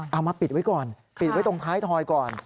เอามาปิดไว้ก่อนปิดไว้ตรงท้ายถอยก่อน